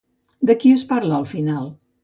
De qui es parla al final?